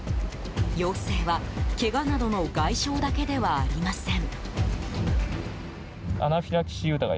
要請は、けがなどの外傷だけではありません。